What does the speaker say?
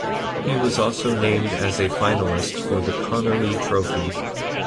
He was also named as a finalist for the Conerly Trophy.